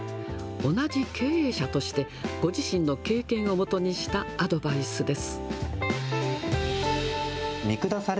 同じ経営者として、ご自身の経験をもとにしたアドバイスです。